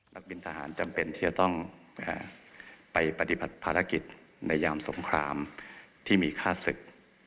นักบินทหารจำเป็นที่จะต้องไปปฏิบัติภารกิจในยามสงครามที่มีค่าศึก